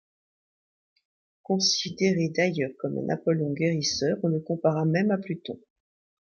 Considéré d'ailleurs comme un Apollon guérisseur, on le compara même à Pluton.